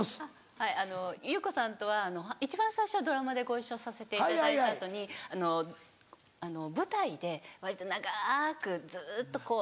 はいゆう子さんとは一番最初はドラマでご一緒させていただいた後に舞台で割と長くずっとこう。